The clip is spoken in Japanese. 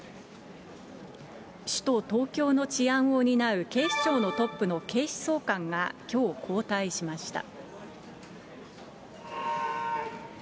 首都東京の治安を担う警視庁のトップの警視総監がきょう、交代しました。